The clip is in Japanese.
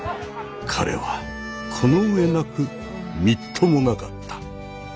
彼はこの上なくみっともなかった。